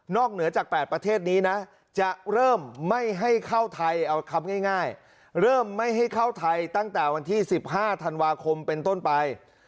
เหนือจาก๘ประเทศนี้นะจะเริ่มไม่ให้เข้าไทยเอาคำง่ายเริ่มไม่ให้เข้าไทยตั้งแต่วันที่๑๕ธันวาคมเป็นต้นไป